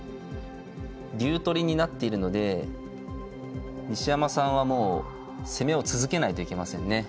竜取りになっているので西山さんはもう攻めを続けないといけませんね。